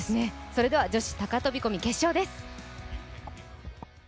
それでは女子高飛び込み決勝です。